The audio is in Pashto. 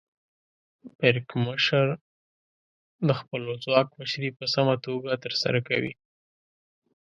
پرکمشر د خپل ځواک مشري په سمه توګه ترسره کوي.